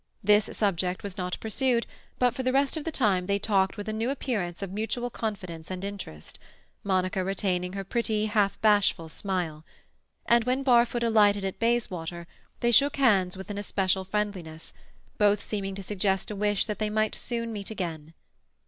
This subject was not pursued, but for the rest of the time they talked with a new appearance of mutual confidence and interest, Monica retaining her pretty, half bashful smile. And when Barfoot alighted at Bayswater they shook hands with an especial friendliness, both seeming to suggest a wish that they might soon meet again.